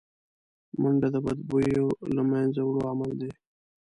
منډه د بدبویو له منځه وړو عمل دی